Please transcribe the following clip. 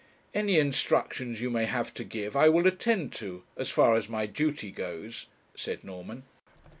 'Any instructions you may have to give I will attend to, as far as my duty goes,' said Norman.